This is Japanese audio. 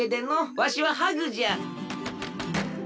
わしはハグじゃ。